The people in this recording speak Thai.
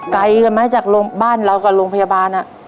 ไกลกันไหมจากบ้านเรากับโรงพยาบาล